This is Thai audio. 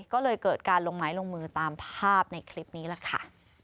ก็เลยเกิดการลงไม้ลงมือตามภาพในคลิปนี้แหละค่ะ